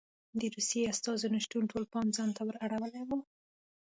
د روسیې استازو نه شتون ټولو پام ځان ته ور اړولی و